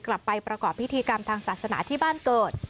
กลับไปประกอบพิธีกรรมทางศาสนาที่บ้านเกิด